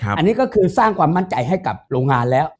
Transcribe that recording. อันนี้ก็คือสร้างความมั่นใจให้กับโรงงานแล้ว